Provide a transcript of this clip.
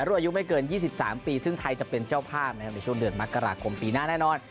อายุไม่เกิน๒๓ปีซึ่งไทยจะเป็นเจ้าภาพนะครับในช่วงเดือนมกราคมปีหน้าแน่นอน